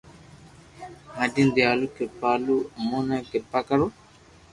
ھيدين ديال ڪرپالو امون تو ڪرپا ڪرو